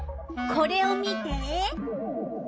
これを見て！